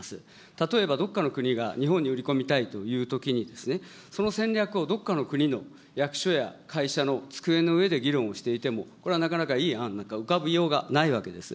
例えば、どこかの国が日本に売り込みたいというときに、その戦略をどっかの国の役所や会社の机の上で議論をしていても、これはなかなかいい判断が浮かびようがないわけです。